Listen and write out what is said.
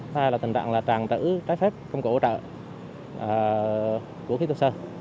hay là tình trạng tràn trữ trái phép công cụ hỗ trợ của khí tuyên sơ